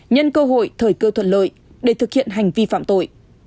nhân cơ hội thời cơ thuận lợi để thực hiện hành vi phạm tội